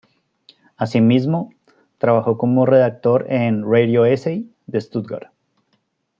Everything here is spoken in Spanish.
Asimismo, trabajó como redactor en "Radio Essay" de Stuttgart.